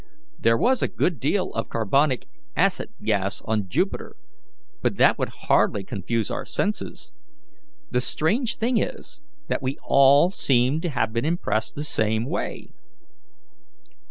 There was a good deal of carbonic acid gas on Jupiter, but that would hardly confuse our senses. The strange thing is, that we all seem to have been impressed the same way."